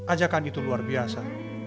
ajakan itu luar biasa